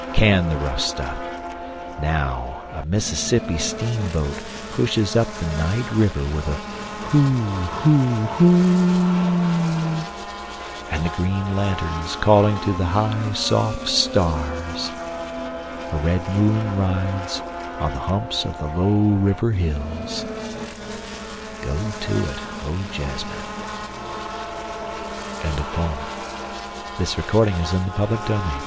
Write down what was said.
Can the rough stuff … now a Mississippi steamboat pushes up the night river with a hoo hoo hoo oo … and the green lanterns calling to the high soft stars … a red moon rides on the humps of the low river hills … go to it, O jazzmen. Contents BIBLIOGRAPHIC RECORD Previous Article Ne